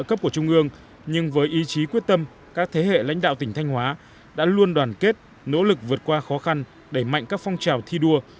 các cấp của trung ương nhưng với ý chí quyết tâm các thế hệ lãnh đạo tỉnh thanh hóa đã luôn đoàn kết nỗ lực vượt qua khó khăn đẩy mạnh các phong trào thi đua